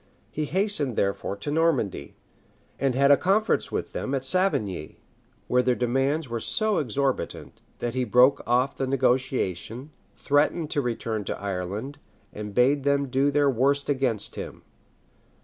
He hastened therefore to Normandy, and had a conference with them at Savigny, where their demands were so exorbitant, that he broke off the negotiation, threatened to return to Ireland, and bade them do their worst against him.